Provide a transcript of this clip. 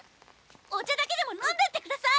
お茶だけでも飲んでって下さい！